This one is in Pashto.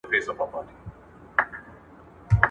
خلکو ته لار ښودل صدقه ده.